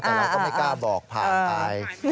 แต่เราก็ไม่กล้าบอกผ่านไป